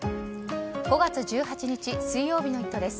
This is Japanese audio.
５月１８日、水曜日の「イット！」です。